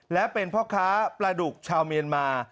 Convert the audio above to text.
และเป็นพ่อค้าปลาดุกชาวเมียนมา